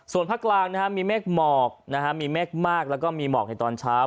ส่วนภาคกลางมีเมฆหมอกมีเมฆมากแล้วก็มีหมอกในตอนเช้า